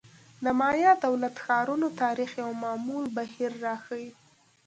د مایا دولت-ښارونو تاریخ یو معمول بهیر راښيي.